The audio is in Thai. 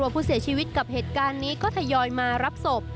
ผู้เสียชีวิตกับเหตุการณ์นี้ก็ทยอยมารับศพ